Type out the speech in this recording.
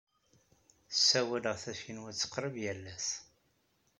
Ssawaleɣ tacinwat qrib yal ass.